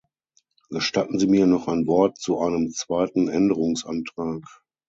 Gestatten Sie mir noch ein Wort zu einem zweiten Änderungsantrag.